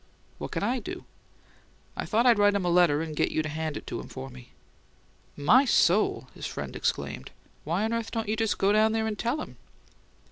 "What can I do?" "I thought I'd write him a letter and get you to hand it to him for me." "My soul!" his friend exclaimed. "Why on earth don't you just go down there and tell him?"